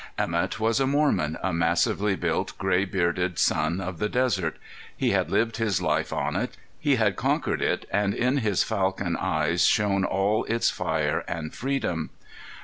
Emett was a Mormon, a massively built grey bearded son of the desert; he had lived his life on it; he had conquered it and in his falcon eyes shone all its fire and freedom.